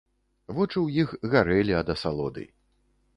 Вочы ў іх гарэлі ад асалоды.